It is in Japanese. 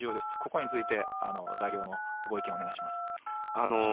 ここについて代表のご意見をお願いします。